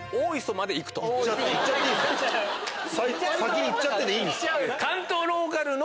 先に行っちゃってていいんすか？